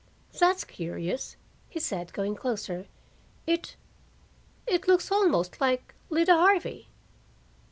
"That's curious!" he said, going closer. "It it looks almost like Lida Harvey."